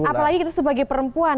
apalagi kita sebagai perempuan